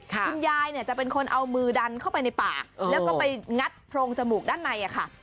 คุณยายเนี่ยจะเป็นคนเอามือดันเข้าไปในปากแล้วก็ไปงัดโพรงจมูกด้านในค่ะ